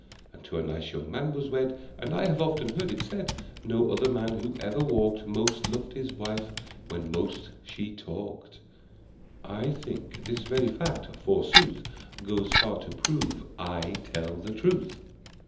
And to a nice young man was wed, And I have often heard it said No other man who ever walked Most loved his wife when most she talked! (I think this very fact, forsooth, Goes far to prove I tell the truth!)